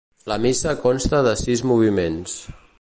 La missa consta de sis moviments.